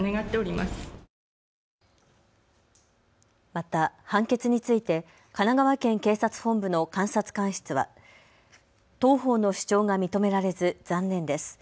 また判決について神奈川県警察本部の監察官室は当方の主張が認められず残念です。